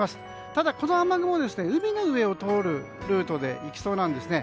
ただ、この雨雲は海の上を通るルートで行きそうなんですね。